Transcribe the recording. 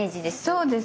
そうですね。